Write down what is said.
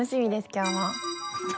今日も。